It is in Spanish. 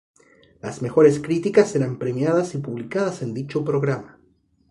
Las mejores críticas eran premiadas y publicadas en dicho programa.